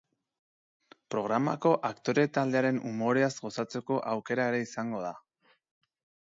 Programako aktore taldearen umoreaz gozatzeko aukera ere izango da.